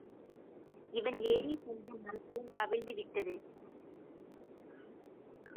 இவன் ஏறிச் சென்ற மரக்கலம் கவிழ்ந்துவிட்டது.